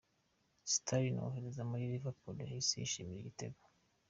Sterling wahoze muri Liverpool yahise yishimira igitego.